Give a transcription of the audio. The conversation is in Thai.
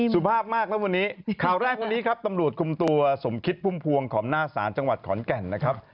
สุภาพมากแล้ววันนี้ข่าวแรกวันนี้ครับตำรวจคุมตัวสมคิดพุ่มพวงขอบหน้าศาลจังหวัดขอนแก่นนะครับ